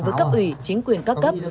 với cấp ủy chính quyền các cấp